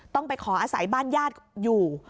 ต้องไปขออาศัยบ้านญาติอยู่